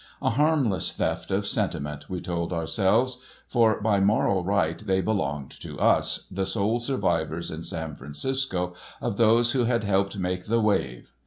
A harmless theft of sentiment, we told ourselves; for by moral right they belonged to us, the sole survivors in San Francisco of those who had helped make the Wave.